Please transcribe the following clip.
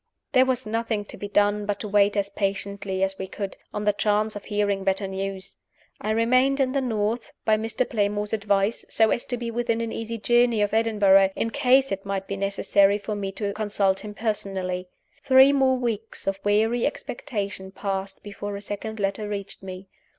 There was nothing to be done but to wait as patiently as we could, on the chance of hearing better news. I remained in the North, by Mr. Playmore's advice, so as to be within an easy journey to Edinburgh in case it might be necessary for me to consult him personally. Three more weeks of weary expectation passed before a second letter reached me.